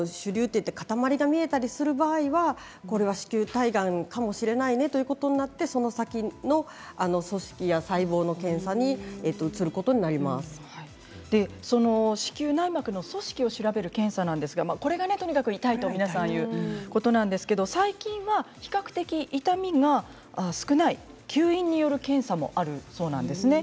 いって塊が見えたりするときは子宮体がんかもしれないねということになってその先の組織や細胞の検査に子宮内膜の組織を調べる検査ですが、これがとにかく痛いと皆さん言うことなんですけれど最近は比較的痛みが少ない吸引による検査もあるそうなんです。